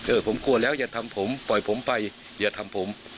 ผมกลัวแล้วอย่าทำผมปล่อยผมไปอย่าทำผม